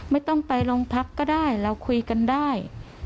ไม่ต้องไปโรงพักก็ได้เราคุยกันได้